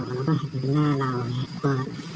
เขาก็เห็นถึงหน้าเราแบบนั้น